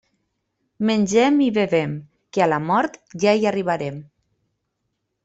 Mengem i bevem, que a la mort ja hi arribarem.